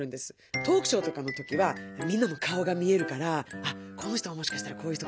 トークショーとかの時はみんなの顔が見えるから「あっこの人はもしかしたらこういう人かな」。